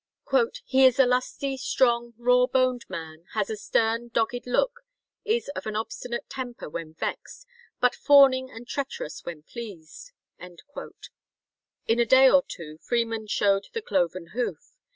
"He is a lusty, strong, raw boned man, has a stern, dogged look, is of an obstinate temper when vexed, but fawning and treacherous when pleased." In a day of two Freeman showed the cloven foot.